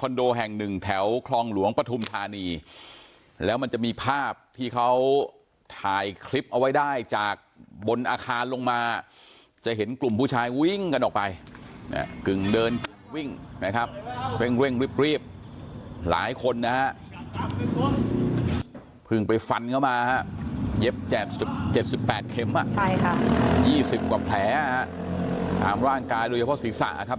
คอนโดแห่งหนึ่งแถวคลองหลวงประธุมธานีแล้วมันจะมีภาพที่เขาถ่ายคลิปเอาไว้ได้จากบนอาคารลงมาจะเห็นกลุ่มผู้ชายวิ่งกันออกไปเนี่ยกึ่งเดินวิ่งนะครับเร่งเร่งรีบรีบหลายคนนะฮะเพิ่งไปฟันเขามาฮะเย็บแจบสิบเจ็บสิบแปดเข็มอ่ะใช่ค่ะยี่สิบกว่าแผลฮะฮะตามร่างกายรุยพพศีรษะคร